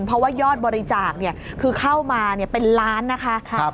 เพราะว่ายอดบริจาคคือเข้ามาเป็นล้านนะคะ